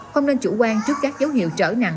không nên chủ quan trước các dấu hiệu trở nặng